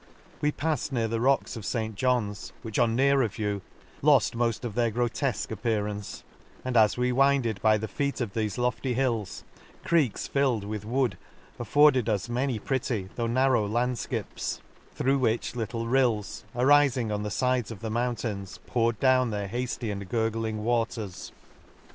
— We pafled near the rocks of St John's, which on nearer view loft mofl of their grotefque appearance ; and as we winded by the feet of thefe lofty hills, creeks filled with wood afforded us many pretty, though narrow landfkips ; through which little rills, arifing on the fides of the mountains, poured down their hafly and gurgling waters.